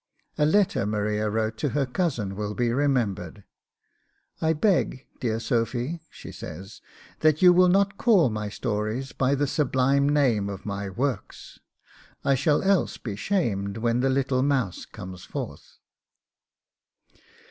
A letter Maria wrote to her cousin will be remembered. 'I beg, dear Sophy,' she says, 'that you will not call my stories by the sublime name of my works; I shall else be ashamed when the little mouse comes forth.